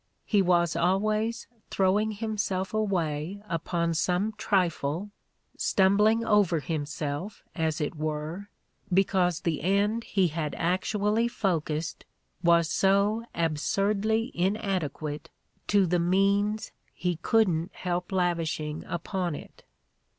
He ^as always throwing himself away upon some trifle, stumbling over himself, as it were, because the end he had actually focussed was so absurdly inadequate to the means he couldn't help lavishing upon it.